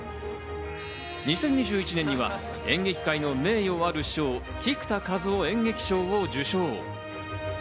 ２０２１年には演劇界の名誉ある賞・菊田一夫演劇賞を受賞。